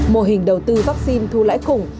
mô hình đầu tư vaccine thu lãi cùng